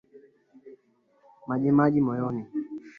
Majimaji moyoni